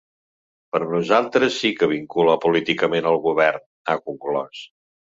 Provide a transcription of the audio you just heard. Per nosaltres sí que vincula políticament el govern, ha conclòs.